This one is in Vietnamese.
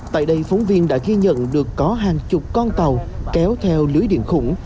tại đây phóng viên đã ghi nhận được có hàng chục con tàu kéo theo lưới điện khủng